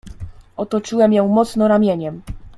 "Otoczyłem ją mocno ramieniem."